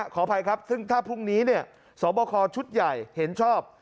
ขออภัยครับซึ่งถ้าพรุ่งนี้สอบคอชุดใหญ่เห็นชอบ